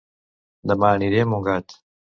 Dema aniré a Montgat